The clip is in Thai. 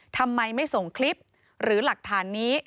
ทำไมไม่ส่งคลิปหรือหลักฐานนี้